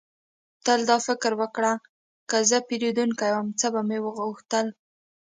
تل دا فکر وکړه: که زه پیرودونکی وم، څه به مې غوښتل؟